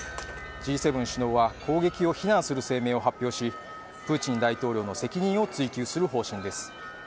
Ｇ７首脳は攻撃を非難する声明を発表しプーチン大統領の責任を追及する方針です。